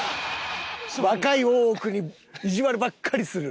若い大奥に意地悪ばっかりする。